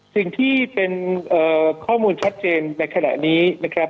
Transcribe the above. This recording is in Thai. สิ่งที่เป็นข้อมูลชัดเจนในขณะนี้นะครับ